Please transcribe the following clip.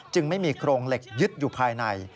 ไม่มีโครงเหล็กยึดอยู่ภายใน